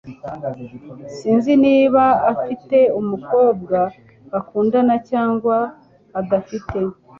Sinzi niba afite umukobwa bakundana cyangwa adafite.